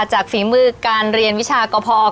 ฝีมือการเรียนวิชากพอ